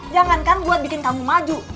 jangan kan buat bikin kamu maju